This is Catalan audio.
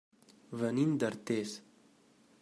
Venim d'Artés.